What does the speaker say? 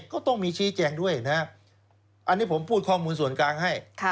ก็ต้องมีชี้แจงด้วยนะครับอันนี้ผมพูดข้อมูลส่วนกลางให้